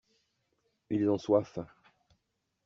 Ils ont soif.